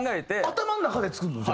頭の中で作るの？